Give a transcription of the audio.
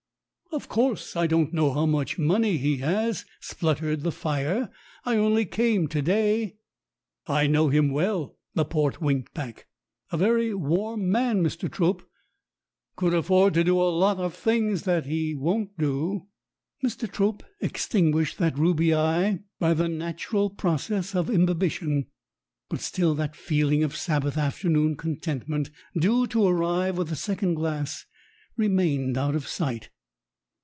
"Of course, I don't know how much money he has," spluttered the fire. "I only came to day." 70 STORIES WITHOUT TEARS "I know him well," the port winked back. "A very warm man, Mr. Trope. Could afford to do a lot of things that he won't do." Mr. Trope extinguished that ruby eye by the nat ural process of imbibition, but still that feeling of Sabbath afternoon contentment, due to arrive with the second glass, remained out of sight.